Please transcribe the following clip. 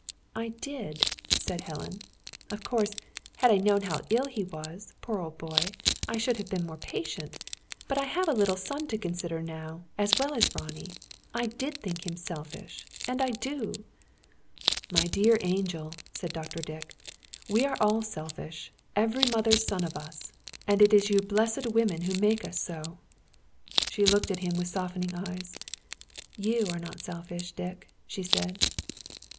"I did," said Helen. "Of course, had I known how ill he was, poor old boy, I should have been more patient. But I have a little son to consider now, as well as Ronnie. I did think him selfish, and I do." "My dear angel," said Dr. Dick, "we are all selfish, every mother's son of us; and it is you blessed women who make us so." She looked at him, with softening eyes. "You are not selfish, Dick," she said.